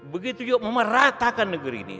begitu juga memeratakan negeri ini